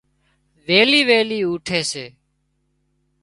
ويلي ويلي اُوٺي سي